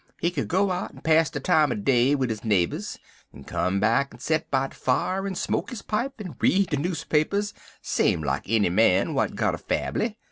He could go out en pass de time er day 'wid his neighbors, en come back en set by de fier, en smoke his pipe, en read de newspapers same like enny man w'at got a fambly.